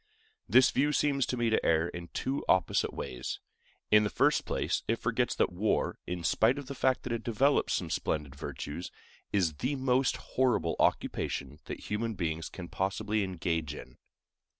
This view seems to me to err in two opposite ways. In the first place, it forgets that war, in spite of the fact that it develops some splendid virtues, is the most horrible occupation that human beings can possibly engage in.